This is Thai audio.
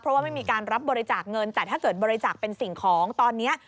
เพราะว่าไม่มีการรับบริจาคเงินแต่ถ้าเกิดบริจาคเป็นสิ่งของตอนนี้